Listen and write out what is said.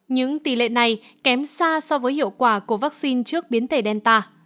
những tỷ lệ này kém xa so với hiệu quả của vaccine trước biến thể delta